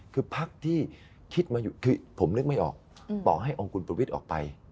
คือพักที่คิดมาอยู่คือผมนึกไม่ออกต่อให้องค์คุณประวิทย์ออกไป